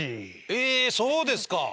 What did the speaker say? えそうですか。